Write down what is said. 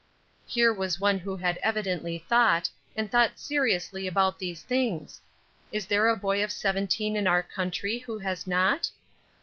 Here was one who had evidently thought, and thought seriously about these things. Is there a boy of seventeen in our country who has not?